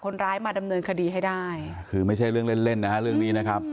นั่นน่ะสินั่นน่ะสิ